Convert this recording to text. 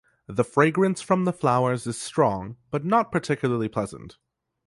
The fragrance from the flowers is strong but not particularly pleasant.